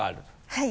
はい！